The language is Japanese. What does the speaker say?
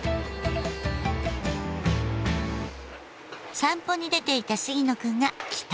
散歩に出ていた杉野くんが帰宅。